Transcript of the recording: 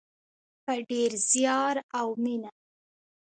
په ډیر زیار او مینه.